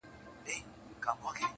د سړک پر غاړه تور څادر رپېږي -